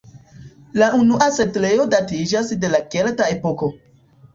La unua setlejo datiĝas de la kelta epoko.